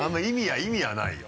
意味はないよ。